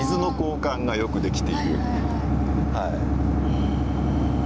へえ。